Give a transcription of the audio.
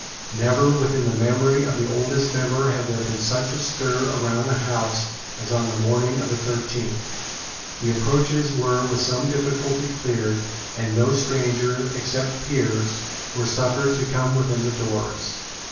Never within the memory of the oldest member had there been such a stir round the House as on the morning of the thirteenth. The approaches were with some difficulty cleared; and no strangers, except peers, were suffered to come within the doors.